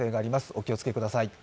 お気をつけください。